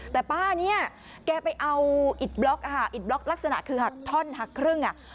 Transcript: แต่ป้าเนี่ยแกไปเอาอิดบล็อกค่ะอิดบล็อกลักษณะคือหักท่อนหักครึ่งอ่ะ